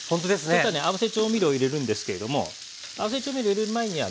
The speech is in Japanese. そしたらね合わせ調味料入れるんですけれども合わせ調味料入れる前にはね